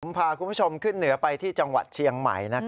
พาคุณผู้ชมขึ้นเหนือไปที่จังหวัดเชียงใหม่